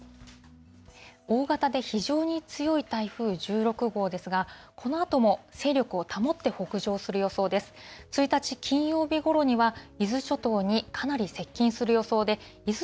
大型で非常に強い台風１６号ですが、このあとも勢力を保って北上する予想です。